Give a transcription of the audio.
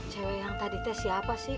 cewek yang tadi tes siapa sih